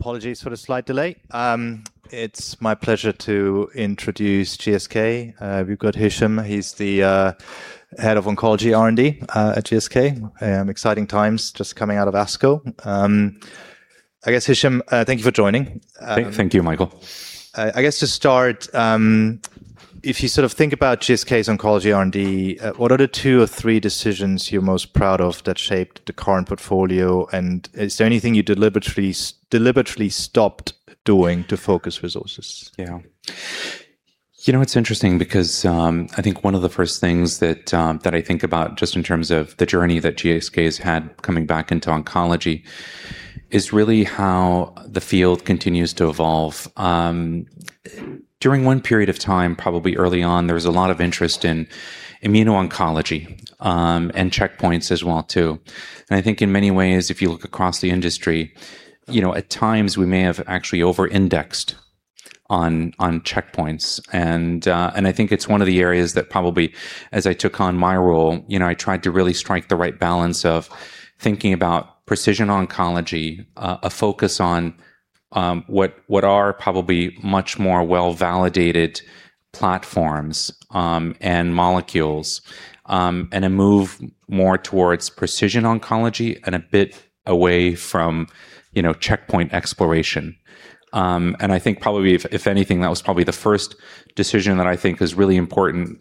Apologies for the slight delay. It's my pleasure to introduce GSK. We've got Hesham. He's the head of oncology R&D at GSK. Exciting times just coming out of ASCO. I guess, Hesham, thank you for joining. Thank you, Michael. I guess to start, if you think about GSK's oncology R&D, what are the two or three decisions you're most proud of that shaped the current portfolio, and is there anything you deliberately stopped doing to focus resources? Yeah. It's interesting because I think one of the first things that I think about just in terms of the journey that GSK has had coming back into oncology is really how the field continues to evolve. During one period of time, probably early on, there was a lot of interest in immuno-oncology, and checkpoints as well, too. I think in many ways, if you look across the industry, at times we may have actually over-indexed on checkpoints. I think it's one of the areas that probably as I took on my role, I tried to really strike the right balance of thinking about precision oncology, a focus on what are probably much more well-validated platforms and molecules, and a move more towards precision oncology and a bit away from checkpoint exploration. I think probably if anything, that was probably the first decision that I think is really important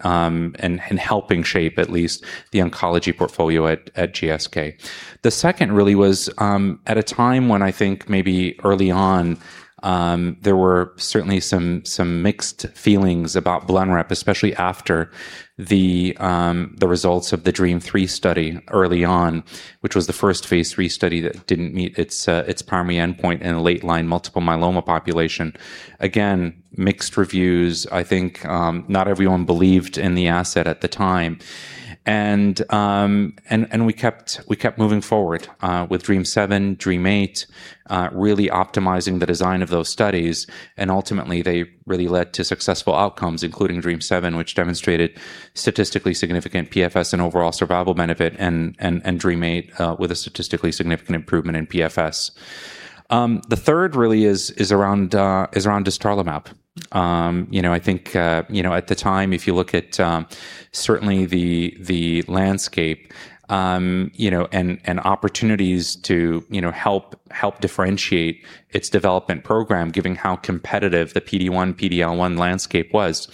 in helping shape, at least, the oncology portfolio at GSK. The second really was at a time when I think maybe early on, there were certainly some mixed feelings about Blenrep, especially after the results of the DREAMM-3 study early on, which was the first phase III study that didn't meet its primary endpoint in a late-line multiple myeloma population. Again, mixed reviews. I think not everyone believed in the asset at the time. We kept moving forward, with DREAMM-7, DREAMM-8, really optimizing the design of those studies, and ultimately they really led to successful outcomes, including DREAMM-7, which demonstrated statistically significant PFS and overall survival benefit and DREAMM-8, with a statistically significant improvement in PFS. The third really is around dostarlimab. I think at the time, if you look at certainly the landscape, and opportunities to help differentiate its development program, given how competitive the PD-1, PD-L1 landscape was,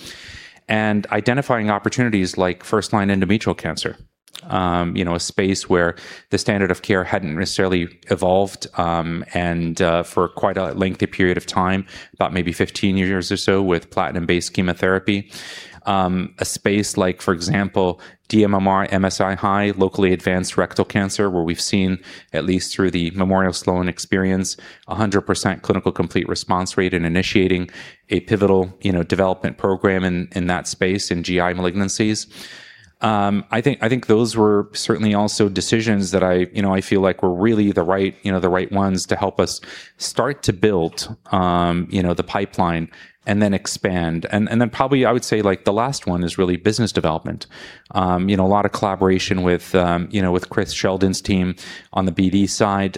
and identifying opportunities like first-line endometrial cancer. A space where the standard of care hadn't necessarily evolved, and for quite a lengthy period of time, about maybe 15 years or so, with platinum-based chemotherapy. A space like, for example, dMMR MSI-High, locally advanced rectal cancer, where we've seen at least through the Memorial Sloan experience, 100% clinical complete response rate in initiating a pivotal development program in that space in GI malignancies. I think those were certainly also decisions that I feel like were really the right ones to help us start to build the pipeline and then expand. Probably I would say the last one is really business development. A lot of collaboration with Chris Sheldon's team on the BD side,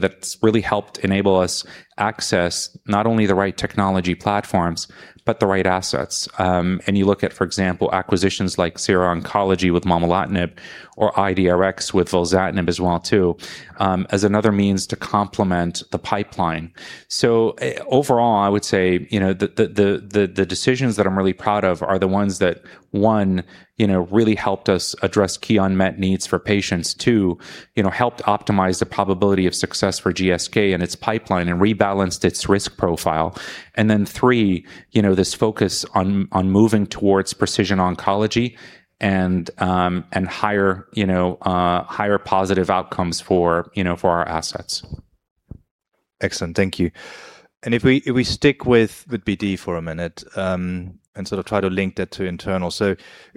that's really helped enable us access not only the right technology platforms, but the right assets. You look at, for example, acquisitions like Sierra Oncology with momelotinib or IDRx with velzatinib as well too as another means to complement the pipeline. Overall, I would say, the decisions that I'm really proud of are the ones that, one, really helped us address key unmet needs for patients. Two, helped optimize the probability of success for GSK and its pipeline and rebalanced its risk profile. Then three, this focus on moving towards precision oncology and higher positive outcomes for our assets. Excellent. Thank you. If we stick with BD for a minute, and sort of try to link that to internal.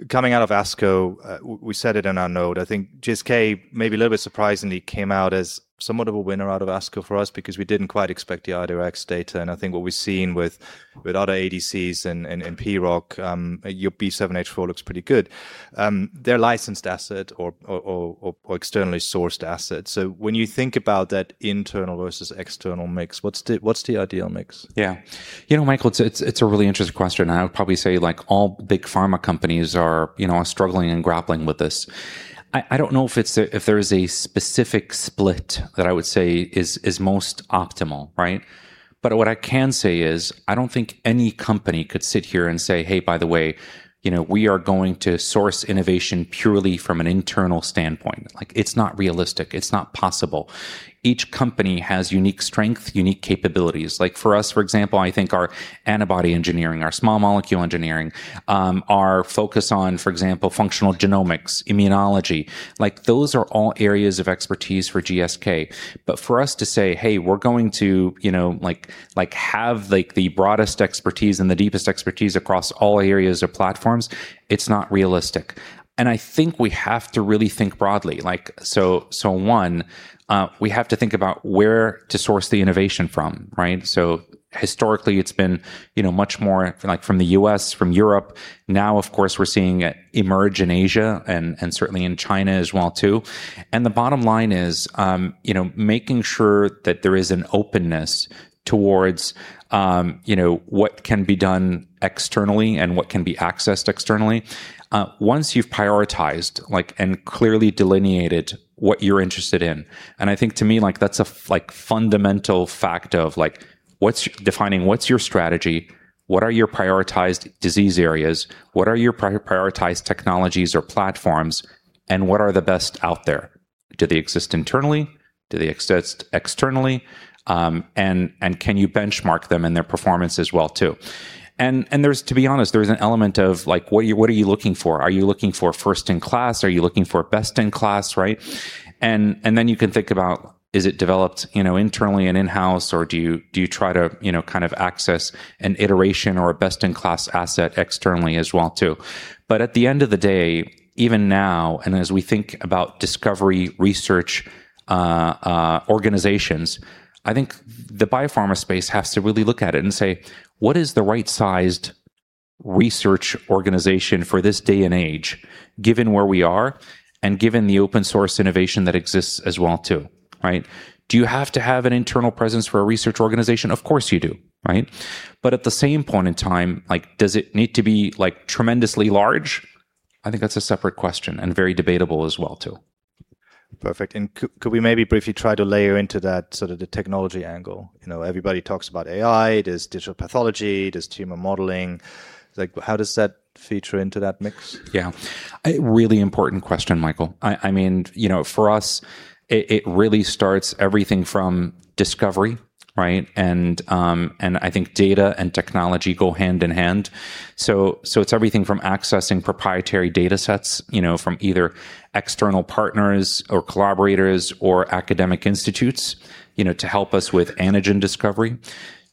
Coming out of ASCO, we said it in our note, I think GSK, maybe a little bit surprisingly, came out as somewhat of a winner out of ASCO for us because we didn't quite expect the IDRx data. I think what we've seen with other ADCs and, PROC, your B7-H4 looks pretty good. They're licensed asset or externally sourced asset. When you think about that internal versus external mix, what's the ideal mix? Yeah. Michael, it's a really interesting question. I would probably say like all big pharma companies are struggling and grappling with this. I don't know if there is a specific split that I would say is most optimal, right? What I can say is, I don't think any company could sit here and say, "Hey, by the way, we are going to source innovation purely from an internal standpoint." It's not realistic. It's not possible. Each company has unique strength, unique capabilities. Like for us, for example, I think our antibody engineering, our small molecule engineering, our focus on, for example, functional genomics, immunology, those are all areas of expertise for GSK. For us to say, "Hey, we're going to have the broadest expertise and the deepest expertise across all areas or platforms," it's not realistic. I think we have to really think broadly. One, we have to think about where to source the innovation from, right? Historically, it's been much more from the U.S., from Europe. Now, of course, we're seeing it emerge in Asia and certainly in China as well too. The bottom line is making sure that there is an openness towards what can be done externally and what can be accessed externally. Once you've prioritized and clearly delineated what you're interested in, and I think to me, that's a fundamental fact of defining what's your strategy, what are your prioritized disease areas, what are your prioritized technologies or platforms, and what are the best out there? Do they exist internally? Do they exist externally? Can you benchmark them and their performance as well too? To be honest, there's an element of what are you looking for? Are you looking for first in class? Are you looking for best in class, right? You can think about is it developed internally and in-house, or do you try to kind of access an iteration or a best-in-class asset externally as well too? At the end of the day, even now, as we think about discovery research organizations, I think the biopharma space has to really look at it and say, "What is the right-sized research organization for this day and age, given where we are and given the open source innovation that exists as well too, right?" Do you have to have an internal presence for a research organization? Of course you do, right? At the same point in time, does it need to be tremendously large? I think that's a separate question and very debatable as well too. Perfect. Could we maybe briefly try to layer into that sort of the technology angle? Everybody talks about AI. There's computational pathology, there's tumor modeling. How does that feature into that mix? Yeah. A really important question, Michael. For us, it really starts everything from discovery, right? I think data and technology go hand in hand. It's everything from accessing proprietary data sets from either external partners or collaborators or academic institutes to help us with antigen discovery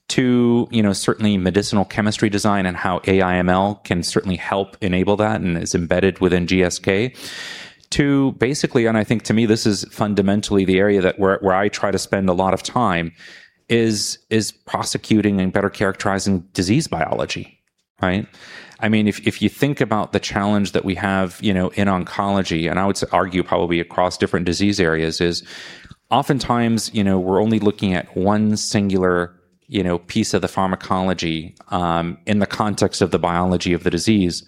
to certainly medicinal chemistry design and how AI ML can certainly help enable that and is embedded within GSK to basically, I think to me, this is fundamentally the area where I try to spend a lot of time is prosecuting and better characterizing disease biology, right? If you think about the challenge that we have in oncology, and I would argue probably across different disease areas, is oftentimes, we're only looking at one singular piece of the pharmacology in the context of the biology of the disease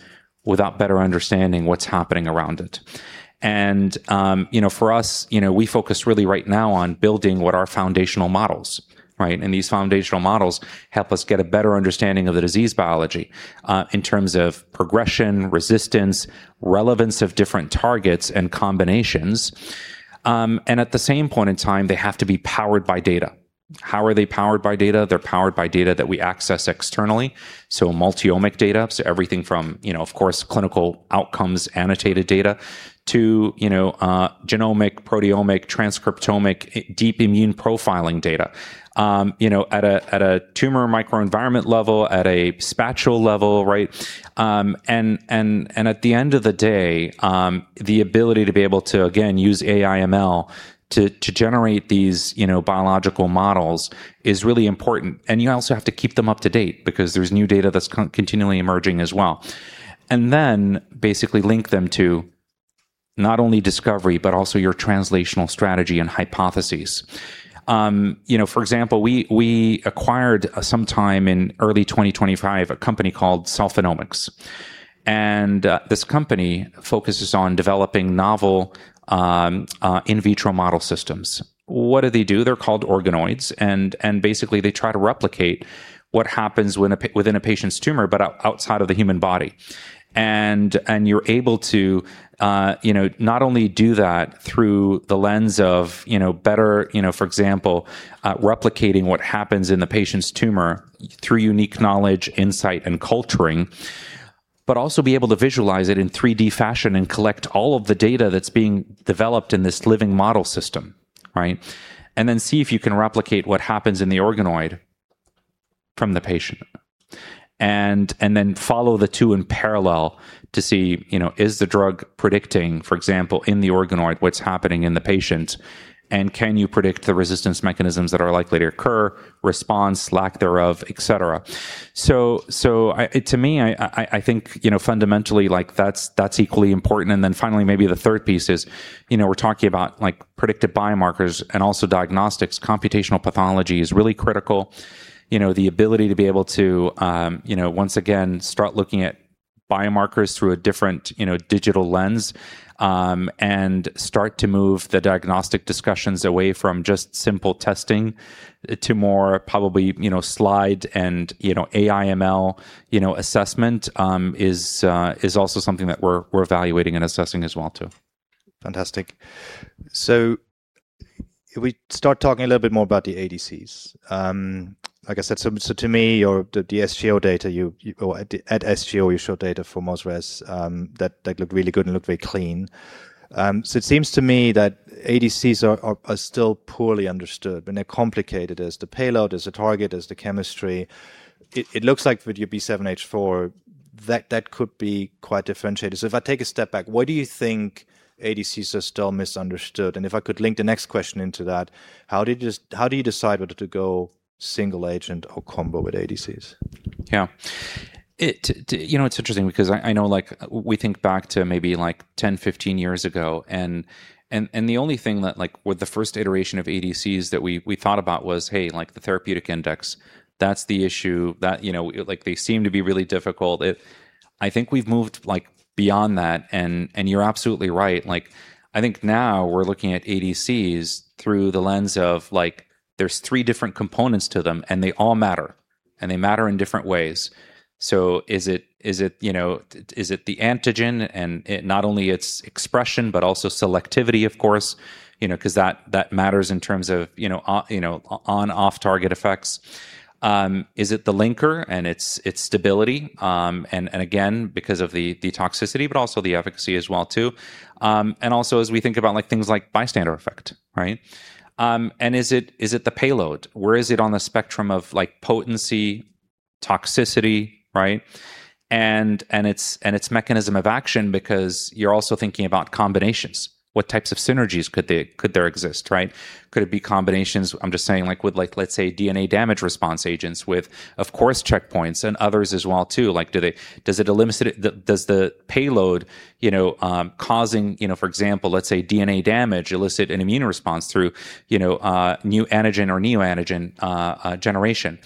without better understanding what's happening around it. For us, we focus really right now on building what are foundational models, right? These foundational models help us get a better understanding of the disease biology in terms of progression, resistance, relevance of different targets, and combinations. At the same point in time, they have to be powered by data. How are they powered by data? They're powered by data that we access externally, so multi-omic data. Everything from, of course, clinical outcomes annotated data to genomic, proteomic, transcriptomic, deep immune profiling data at a tumor microenvironment level, at a spatial level, right? At the end of the day, the ability to be able to, again, use AI ML to generate these biological models is really important. You also have to keep them up to date because there's new data that's continually emerging as well. Basically link them to not only discovery, but also your translational strategy and hypotheses. For example, we acquired sometime in early 2025, a company called CELLphenomics, and this company focuses on developing novel in vitro model systems. What do they do? They're called organoids, and basically they try to replicate what happens within a patient's tumor, but outside of the human body. You're able to not only do that through the lens of better, for example, replicating what happens in the patient's tumor through unique knowledge, insight, and culturing, but also be able to visualize it in 3D fashion and collect all of the data that's being developed in this living model system, right? See if you can replicate what happens in the organoid from the patient. Then follow the two in parallel to see is the drug predicting, for example, in the organoid, what's happening in the patient, and can you predict the resistance mechanisms that are likely to occur, response, lack thereof, et cetera. To me, I think fundamentally that's equally important. Then finally, maybe the third piece is we're talking about predictive biomarkers and also diagnostics. computational pathology is really critical. The ability to be able to, once again, start looking at biomarkers through a different digital lens, and start to move the diagnostic discussions away from just simple testing to more probably slide and AI ML assessment is also something that we're evaluating and assessing as well too. Fantastic. We start talking a little bit more about the ADCs. Like I said, to me, the SGO data, at SGO, you showed data for Mo-Rez that looked really good and looked very clean. It seems to me that ADCs are still poorly understood, and they're complicated. There's the payload, there's the target, there's the chemistry. It looks like with your B7-H4, that could be quite differentiated. If I take a step back, why do you think ADCs are still misunderstood? If I could link the next question into that, how do you decide whether to go single agent or combo with ADCs? It's interesting because I know we think back to maybe 10, 15 years ago, the only thing that with the first iteration of ADCs that we thought about was, hey, the therapeutic index, that's the issue. They seem to be really difficult. I think we've moved beyond that, you're absolutely right. I think now we're looking at ADCs through the lens of there's three different components to them, they all matter. They matter in different ways. Is it the antigen and not only its expression, but also selectivity, of course, because that matters in terms of on/off-target effects. Is it the linker and its stability? Again, because of the toxicity, but also the efficacy as well too. Also as we think about things like bystander effect, right? Is it the payload? Where is it on the spectrum of potency, toxicity, right? Its mechanism of action, because you're also thinking about combinations. What types of synergies could there exist, right? Could it be combinations, I'm just saying, with let's say DNA damage response agents with, of course, checkpoints and others as well too. Does the payload causing, for example, let's say DNA damage, elicit an immune response through new antigen or neoantigen generation?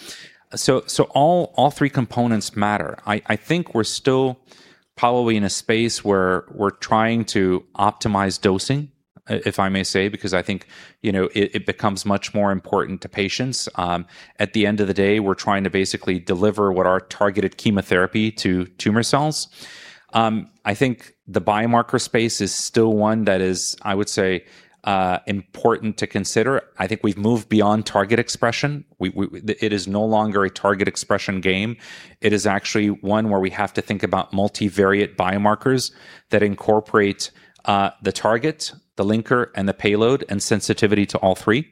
All three components matter. I think we're still probably in a space where we're trying to optimize dosing, if I may say, because I think it becomes much more important to patients. At the end of the day, we're trying to basically deliver what are targeted chemotherapy to tumor cells. I think the biomarker space is still one that is, I would say, important to consider. I think we've moved beyond target expression. It is no longer a target expression game. It is actually one where we have to think about multivariate biomarkers that incorporate the target, the linker, and the payload, and sensitivity to all three.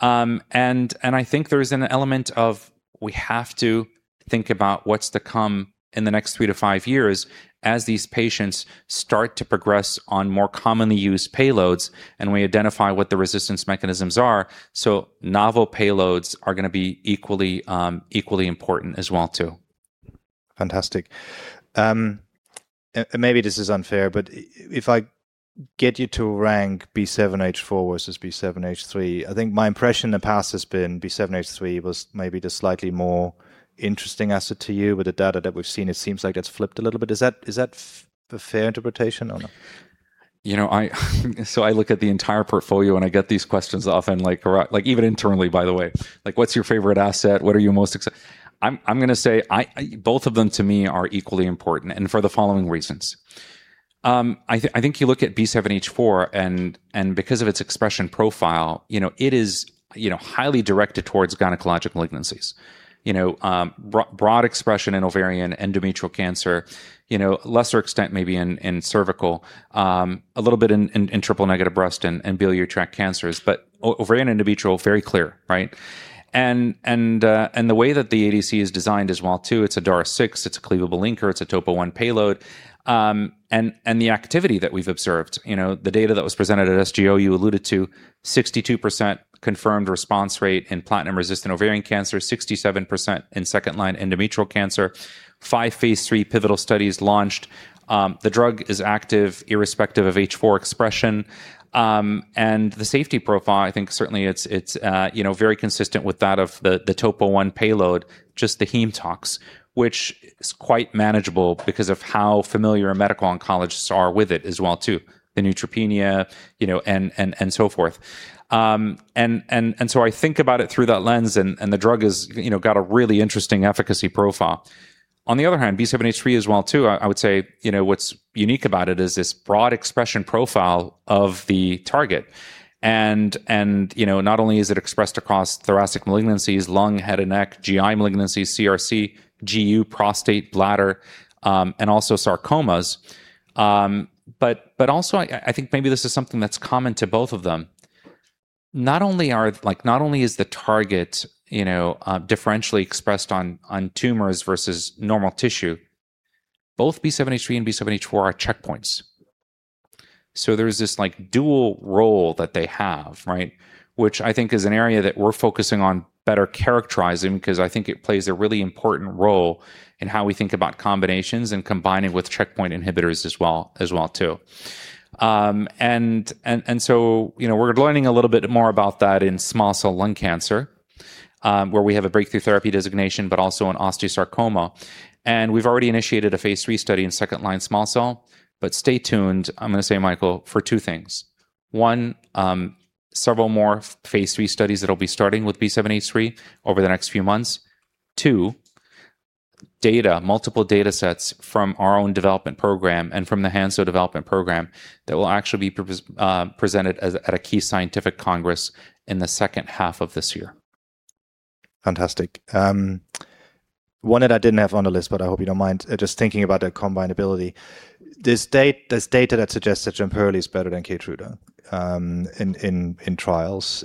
I think there is an element of we have to think about what's to come in the next three to five years as these patients start to progress on more commonly used payloads, and we identify what the resistance mechanisms are. Novel payloads are going to be equally important as well too. Fantastic. Maybe this is unfair, if I get you to rank B7-H4 versus B7-H3, I think my impression in the past has been B7-H3 was maybe the slightly more interesting asset to you. With the data that we've seen, it seems like that's flipped a little bit. Is that a fair interpretation or no? I look at the entire portfolio, I get these questions often, even internally, by the way. What's your favorite asset? What are you most excited? I'm going to say both of them to me are equally important, for the following reasons. I think you look at B7-H4, because of its expression profile, it is highly directed towards gynecological malignancies. Broad expression in ovarian endometrial cancer, lesser extent maybe in cervical, a little bit in triple-negative breast and biliary tract cancers. Ovarian endometrial, very clear, right? The way that the ADC is designed as well too, it's a DARx6, it's a cleavable linker, it's a TOP1 payload. The activity that we've observed, the data that was presented at SGO you alluded to, 62% confirmed response rate in platinum-resistant ovarian cancer, 67% in second-line endometrial cancer, 5 phase III pivotal studies launched. The drug is active irrespective of H4 expression. The safety profile, I think certainly it's very consistent with that of the TOP1 payload, just the heme tox, which is quite manageable because of how familiar medical oncologists are with it as well too, the neutropenia, and so forth. I think about it through that lens, and the drug has got a really interesting efficacy profile. On the other hand, B7-H3 as well too, I would say what's unique about it is this broad expression profile of the target. Not only is it expressed across thoracic malignancies, lung, head and neck, GI malignancies, CRC, GU, prostate, bladder, and also sarcomas. I think maybe this is something that's common to both of them. Not only is the target differentially expressed on tumors versus normal tissue, both B7-H3 and B7-H4 are checkpoints. There's this dual role that they have, right? Which I think is an area that we're focusing on better characterizing because I think it plays a really important role in how we think about combinations and combining with checkpoint inhibitors as well too. We're learning a little bit more about that in small cell lung cancer, where we have a Breakthrough Therapy designation, but also in osteosarcoma. Stay tuned, I'm going to say, Michael, for two things. One, several more phase III studies that'll be starting with B7-H3 over the next few months. Two, data, multiple data sets from our own development program and from the Hansoh development program that will actually be presented at a key scientific congress in the second half of this year. Fantastic. One that I didn't have on the list, I hope you don't mind, just thinking about the combinability. There's data that suggests that Jemperli is better than KEYTRUDA in trials.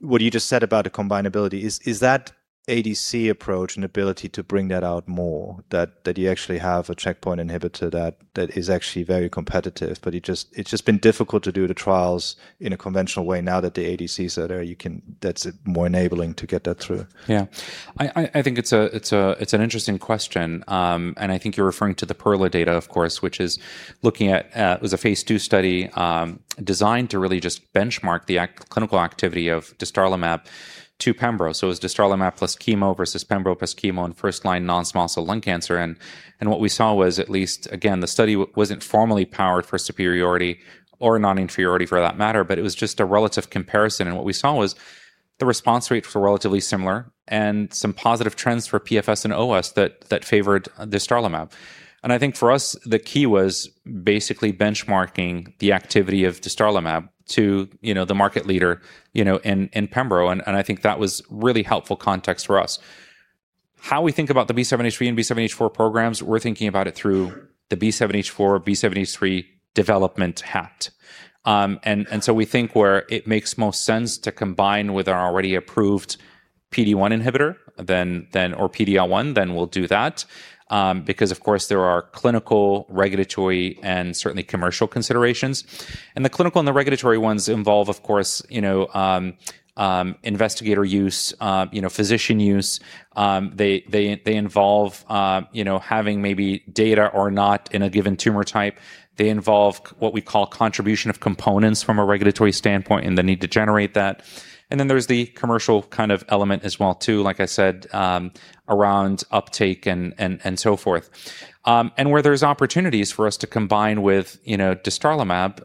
What you just said about the combinability, is that ADC approach an ability to bring that out more, that you actually have a checkpoint inhibitor that is actually very competitive, but it's just been difficult to do the trials in a conventional way? Now that the ADCs are there, that's more enabling to get that through. I think it's an interesting question. I think you're referring to the PERLA data, of course, which it was a phase II study designed to really just benchmark the clinical activity of dostarlimab to pembro. It was dostarlimab plus chemo versus pembro plus chemo in first-line non-small cell lung cancer. What we saw was, at least, again, the study wasn't formally powered for superiority or non-inferiority for that matter, but it was just a relative comparison. What we saw was the response rates were relatively similar and some positive trends for PFS and OS that favored dostarlimab. I think for us, the key was basically benchmarking the activity of dostarlimab to the market leader in pembro. I think that was really helpful context for us. How we think about the B7-H3 and B7-H4 programs, we're thinking about it through the B7-H4, B7-H3 development hat. We think where it makes most sense to combine with our already approved PD-1 inhibitor or PD-L1, then we'll do that, because of course there are clinical, regulatory, and certainly commercial considerations. The clinical and the regulatory ones involve, of course, investigator use, physician use. They involve having maybe data or not in a given tumor type. They involve what we call contribution of components from a regulatory standpoint, and the need to generate that. There's the commercial element as well too, like I said, around uptake and so forth. Where there's opportunities for us to combine with dostarlimab,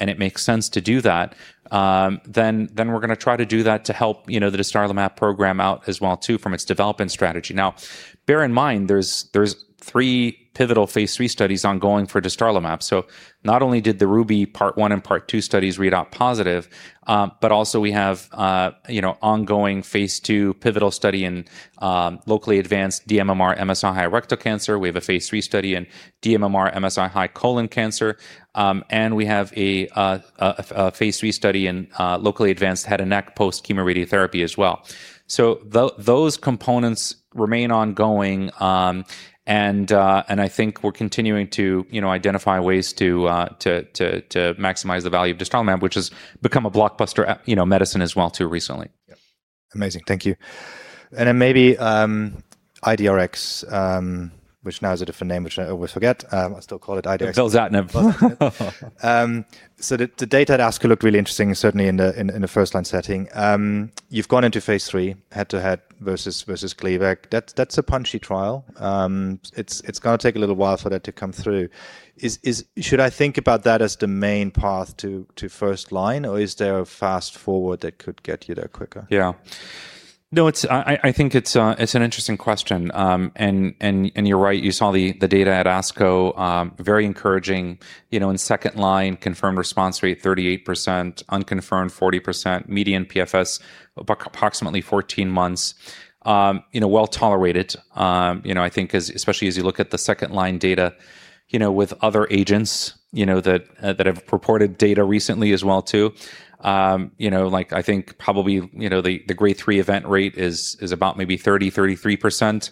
and it makes sense to do that, then we're going to try to do that to help the dostarlimab program out as well too from its development strategy. Now, bear in mind, there's three pivotal phase III studies ongoing for dostarlimab. Not only did the RUBY part one and part two studies read out positive, but also we have ongoing phase II pivotal study in locally advanced dMMR MSI-H rectal cancer. We have a phase III study in dMMR MSI-H colon cancer. We have a phase III study in locally advanced head and neck post-chemoradiotherapy as well. Those components remain ongoing, and I think we're continuing to identify ways to maximize the value of dostarlimab, which has become a blockbuster medicine as well too recently. Yeah. Amazing. Thank you. Maybe IDRx, which now has a different name, which I always forget. I still call it IDRx. velzatinib. The data at ASCO looked really interesting, certainly in the first-line setting. You've gone into phase III, head-to-head versus Gleevec. That's a punchy trial. It's going to take a little while for that to come through. Should I think about that as the main path to first-line, or is there a fast-forward that could get you there quicker? I think it's an interesting question. You're right, you saw the data at ASCO, very encouraging. In second-line confirmed response rate 38%, unconfirmed 40%, median PFS approximately 14 months. Well-tolerated, I think especially as you look at the second-line data with other agents that have reported data recently as well too. I think probably the grade 3 event rate is about maybe 30%, 33%.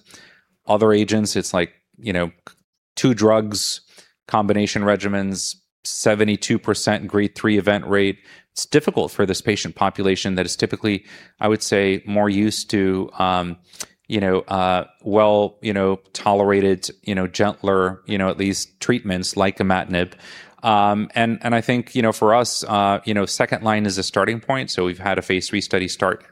Other agents, it's like two drugs, combination regimens, 72% grade 3 event rate. It's difficult for this patient population that is typically, I would say, more used to well-tolerated, gentler, at least, treatments like imatinib. I think for us, second-line is a starting point. We've had a phase III study start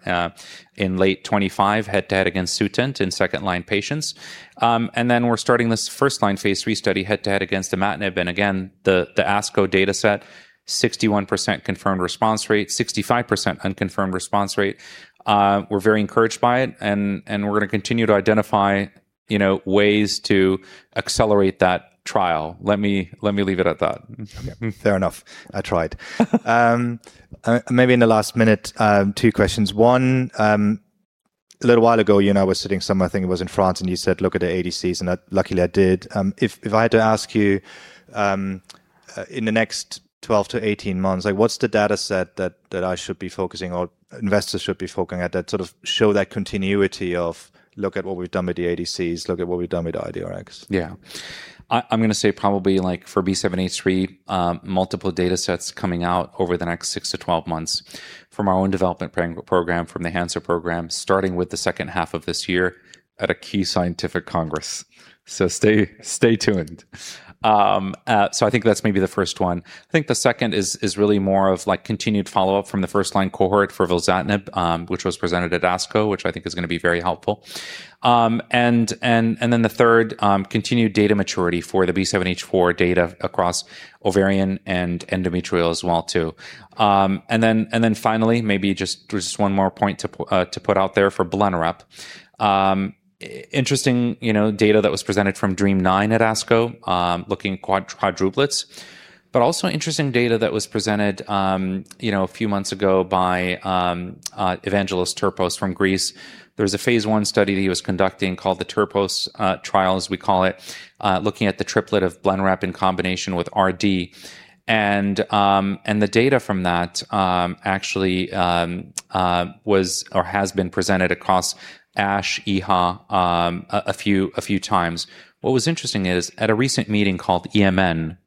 in late 2025, head-to-head against SUTENT in second-line patients. We're starting this first-line phase III study head-to-head against imatinib. Again, the ASCO data set, 61% confirmed response rate, 65% unconfirmed response rate. We're very encouraged by it, and we're going to continue to identify ways to accelerate that trial. Let me leave it at that. Okay. Fair enough. I tried. Maybe in the last minute, two questions. One, a little while ago, you and I were sitting somewhere, I think it was in France, and you said, "Look at the ADCs," and luckily I did. If I had to ask you, in the next 12-18 months, what's the data set that I should be focusing or investors should be focusing at that sort of show that continuity of, "Look at what we've done with the ADCs, look at what we've done with IDRx. I'm going to say probably for B7-H3, multiple data sets coming out over the next 6 to 12 months from our own development program, from the Hansoh program, starting with the second half of this year at a key scientific congress. Stay tuned. I think that's maybe the first one. I think the second is really more of continued follow-up from the first-line cohort for velzatinib, which was presented at ASCO, which I think is going to be very helpful. The third, continued data maturity for the B7-H4 data across ovarian and endometrial as well, too. Finally, maybe just one more point to put out there for belantamab mafodotin. Interesting data that was presented from DREAMM-9 at ASCO, looking quadruplets. Also interesting data that was presented a few months ago by Evangelos Terpos from Greece. There was a phase I study that he was conducting called the Terpos trial, as we call it, looking at the triplet of Blenrep in combination with Rd. The data from that actually has been presented across ASH, EHA a few times. What was interesting is at a recent meeting called EMN,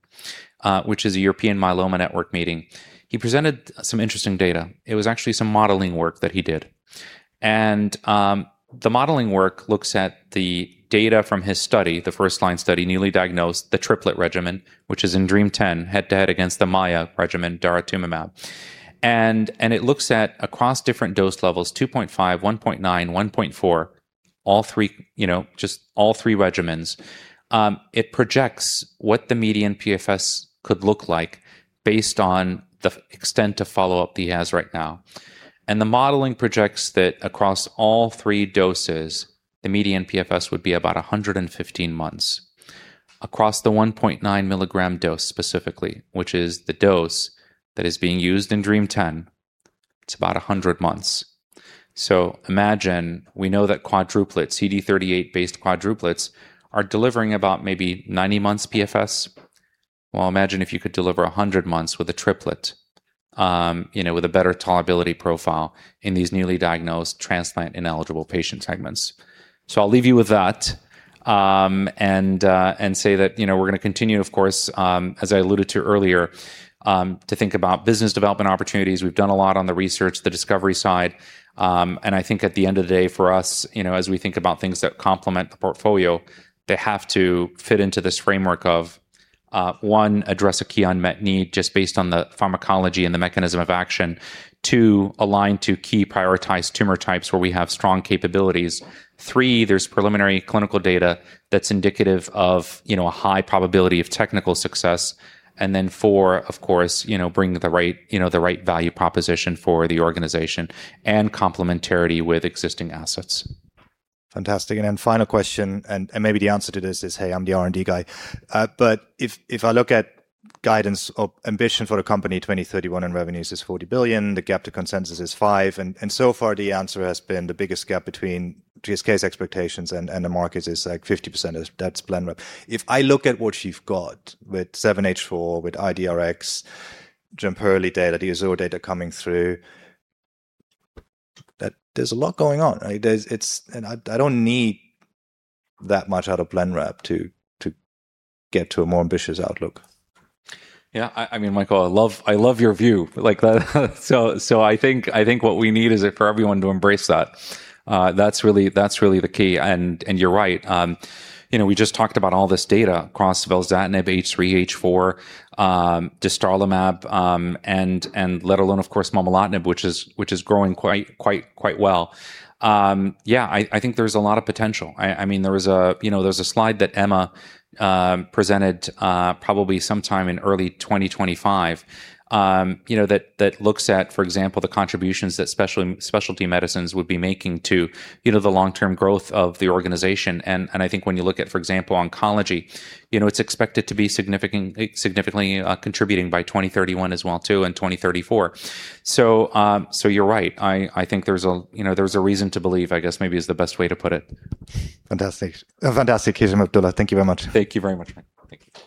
which is a European Myeloma Network meeting, he presented some interesting data. It was actually some modeling work that he did. The modeling work looks at the data from his study, the first-line study, newly diagnosed, the triplet regimen, which is in DREAMM-10, head-to-head against the MAIA regimen, daratumumab. It looks at across different dose levels, 2.5, 1.9, 1.4, just all three regimens. It projects what the median PFS could look like based on the extent of follow-up he has right now. The modeling projects that across all three doses, the median PFS would be about 115 months. Across the 1.9 milligram dose specifically, which is the dose that is being used in DREAMM-10, it's about 100 months. Imagine we know that quadruplets, CD38-based quadruplets are delivering about maybe 90 months PFS. Imagine if you could deliver 100 months with a triplet with a better tolerability profile in these newly diagnosed transplant-ineligible patient segments. I'll leave you with that, and say that we're going to continue, of course, as I alluded to earlier, to think about business development opportunities. We've done a lot on the research, the discovery side. I think at the end of the day, for us, as we think about things that complement the portfolio, they have to fit into this framework of one, address a key unmet need just based on the pharmacology and the mechanism of action. Two, align to key prioritized tumor types where we have strong capabilities. Three, there's preliminary clinical data that's indicative of a high probability of technical success. Four, of course, bring the right value proposition for the organization and complementarity with existing assets. Fantastic. Final question, maybe the answer to this is, "Hey, I'm the R&D guy." If I look at guidance or ambition for a company, 2031 in revenues is 40 billion, the gap to consensus is 5 billion. So far, the answer has been the biggest gap between GSK's expectations and the market is like 50% of that's Blenrep. If I look at what you've got with B7-H4, with IDRx, Jemperli data, the AZUR-1 data coming through, there's a lot going on. I don't need that much out of Blenrep to get to a more ambitious outlook. I mean, Michael, I love your view. I think what we need is for everyone to embrace that. That's really the key, and you're right. We just talked about all this data across velzatinib H3, H4, dostarlimab, and let alone, of course, momelotinib, which is growing quite well. I think there's a lot of potential. There's a slide that Emma presented probably sometime in early 2025 that looks at, for example, the contributions that specialty medicines would be making to the long-term growth of the organization. I think when you look at, for example, oncology, it's expected to be significantly contributing by 2031 as well too, and 2034. You're right. I think there's a reason to believe, I guess maybe is the best way to put it. Fantastic. Fantastic, Hesham Abdullah. Thank you very much. Thank you very much, Michael. Thank you.